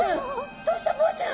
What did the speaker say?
「どうした？ボウちゃん」。